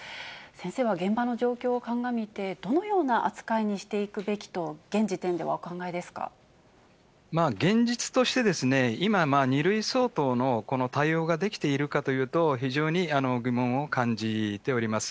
先生は現場の状況を鑑みて、どのような扱いにしていくべきと、現実としてですね、今、２類相当のこの対応ができているかというと、非常に疑問を感じております。